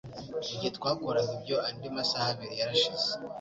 Mugihe twakoraga ibyo, andi masaha abiri yarashize.